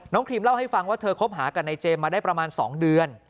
ครีมเล่าให้ฟังว่าเธอคบหากับนายเจมส์มาได้ประมาณ๒เดือน